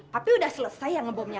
papi udah selesai ya ngebomnya